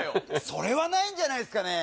それはないんじゃないですかね